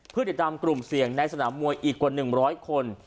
เพื่อติดตามกลุ่มเสี่ยงในสนามมวยอีกกว่า๑๐๐คน